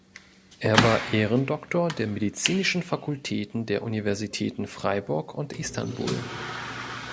Er war Ehrendoktor der Medizinischen Fakultäten der Universitäten Freiburg und Istanbul.